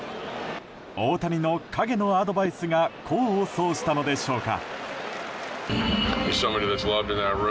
大谷の陰のアドバイスが功を奏したのでしょうか。